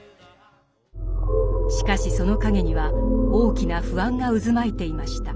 しかしその陰には大きな不安が渦巻いていました。